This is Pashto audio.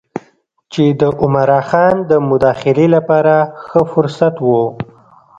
چې د عمرا خان د مداخلې لپاره ښه فرصت و.